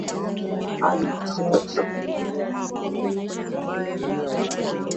hili ni misitu mashamba ya kulimwa nieneo la